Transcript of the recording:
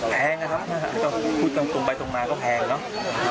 แพงนะครับพูดกันกลมไปตรงมาก็แพงเนอะ